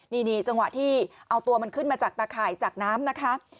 นี่จังหวะที่เอาตัวมันขึ้นมาจากตาข่ายจากน้ำนะคะ